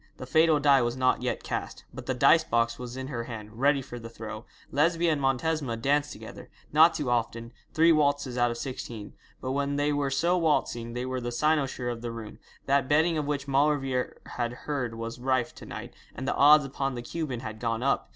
The fatal die was not yet cast, but the dice box was in her hand ready for the throw. Lesbia and Montesma danced together not too often, three waltzes out of sixteen but when they were so waltzing they were the cynosure of the room. That betting of which Maulevrier had heard was rife to night, and the odds upon the Cuban had gone up.